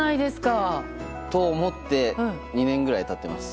そう思って２年ぐらい経ってます。